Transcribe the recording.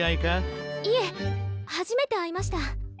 いえ初めて会いました。